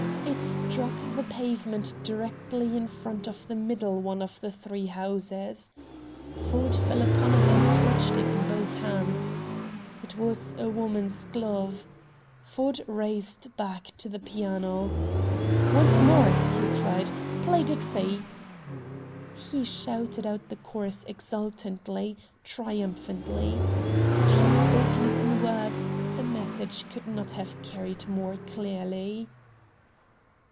It struck the pavement directly in front of the middle one of the three houses. Ford fell upon it and clutched it in both hands. It was a woman's glove. Ford raced back to the piano. "Once more," he cried, "play 'Dixie'!" He shouted out the chorus exultantly, triumphantly. Had he spoken it in words, the message could not have carried more clearly.